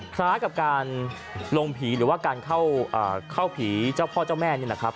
คล้ายกับการลงผีหรือว่าการเข้าผีเจ้าพ่อเจ้าแม่นี่นะครับ